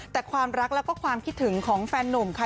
แต่ความรักแล้วก็ความคิดถึงของแฟนนุ่มค่ะ